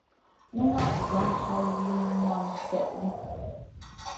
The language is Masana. Numaʼ zam hay liyn naam slèh ɗi.